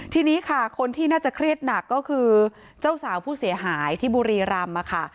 ทีนี้ค่ะคนที่น่าจะเครียดหนักก็คือเจ้าสาวผู้เสียหายที่บุรีรำค่ะ